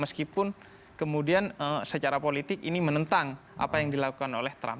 meskipun kemudian secara politik ini menentang apa yang dilakukan oleh trump